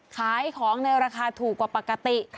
ขายของในราคาถูกกว่าปกติ